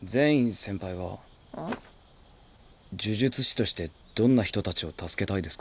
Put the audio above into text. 呪術師としてどんな人たちを助けたいですか？